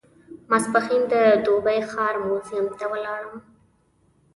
ماپښین د دوبۍ ښار موزیم ته ولاړم.